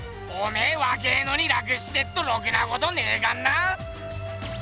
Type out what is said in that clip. おめえわけえのに楽してっとろくなことねえかんな！